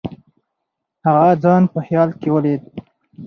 هغه ځان په خیال کې ولید.